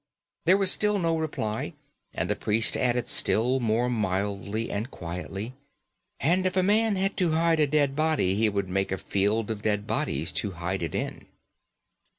There was still no reply, and the priest added still more mildly and quietly: "And if a man had to hide a dead body, he would make a field of dead bodies to hide it in."